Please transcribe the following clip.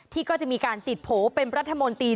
ทีนี้จากรายทื่อของคณะรัฐมนตรี